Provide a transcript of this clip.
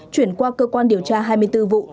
chuyển qua cơ quan điều tra hai mươi bốn vụ